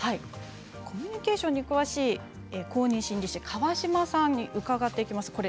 コミュニケーションに詳しい公認心理師・川島さんに伺っていきます。